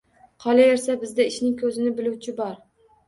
Qolaversa, bizda ishning ko‘zini biluvchi bor!